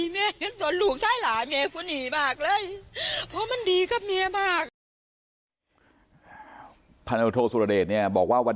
แมวเห็นส่วนลูกทรายหลายแมวคุณอี๋มากเลยเพราะมันดีกับแมวมาก